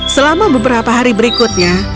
selama beberapa hari berikutnya